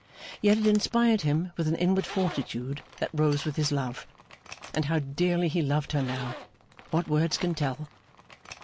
Yet it inspired him with an inward fortitude, that rose with his love. And how dearly he loved her now, what words can tell!